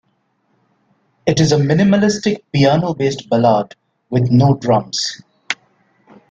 It is a minimalistic piano-based ballad with no drums.